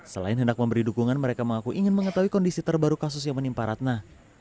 selain hendak memberi dukungan mereka mengaku ingin mengetahui kondisi terbaru kasus yang menimpa ratna